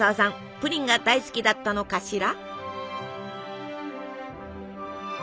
プリンが大好きだったのかしら？